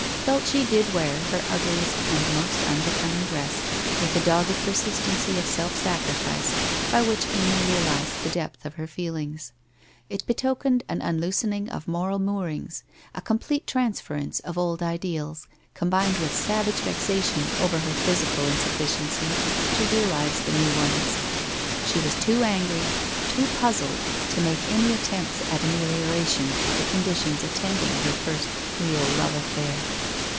Dulce did wear her ugliest and most unbecoming dress, with a dogged persistency of self sacrifice, by which Amy realized the depth of her feelings. It betokened an un loosening of moral moorings, a complete transference of old ideals, combined with savage vexation over her physi cal insufficiency to realise the new ones. She was too angry, too puzzled to make any attempts at amelioration of the conditions attending her first real love affair.